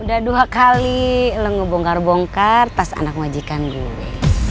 udah dua kali lo ngebongkar bongkar tas anak wajikan gue